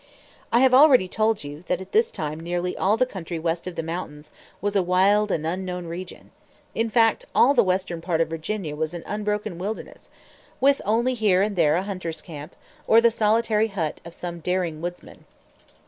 I have already told you that at this time nearly all the country west of the mountains was a wild and unknown region. In fact, all the western part of Virginia was an unbroken wilderness, with only here and there a hunter's camp or the solitary hut of some daring woodsman.